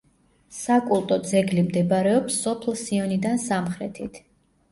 საკულტო ძეგლი მდებარეობს სოფლ სიონიდან სამხრეთით.